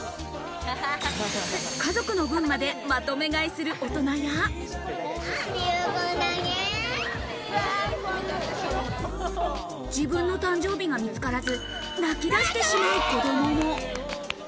家族の分まで、まとめ買いする大人や、自分の誕生日が見つからず、泣き出してしまう子供も。